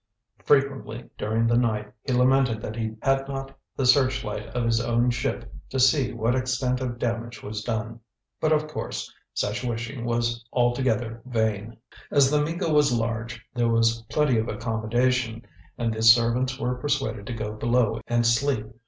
Frequently during the night he lamented that he had not the searchlight of his own ship to see what extent of damage was done. But, of course, such wishing was altogether vain. As The Miko was large, there was plenty of accommodation, and the servants were persuaded to go below and sleep.